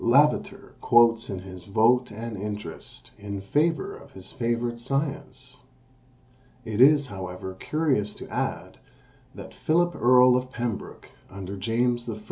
Lavater quotes his "Vote and Interest," in favour of his favourite science. It is, however, curious to add, that Philip Earl of Pembroke, under James I.